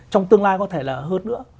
trong tương lai có thể là hơn nữa